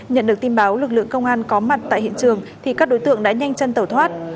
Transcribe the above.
nhận được tin báo lực lượng công an có mặt tại hiện trường thì các đối tượng đã nhanh chân tẩu thoát